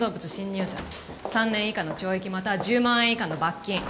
３年以下の懲役または１０万円以下の罰金。